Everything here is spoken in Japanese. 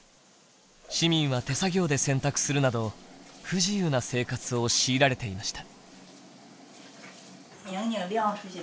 市民は手作業で洗濯するなど不自由な生活を強いられていました。